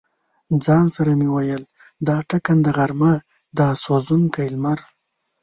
ځان سره مې ویل: دا ټکنده غرمه، دا سوزونکی لمر.